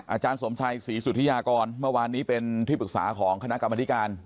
อาจารย์สมชัยศรีสุธิยากรเมื่อวานนี้เป็นที่ปรึกษาของคณะกรรมธิการ